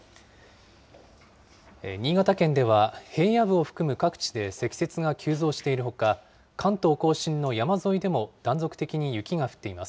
新潟県では平野部を含む各地で積雪が急増しているほか、関東甲信の山沿いでも断続的に雪が降っています。